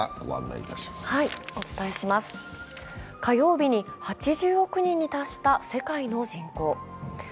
火曜日に８０億人に達した世界の人口。